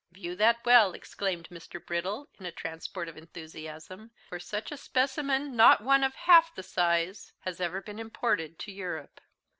"View that well," exclaimed Mr. Brittle, in a transport of enthusiasm, "for such a specimen not one of half the size has ever been imported to Europe.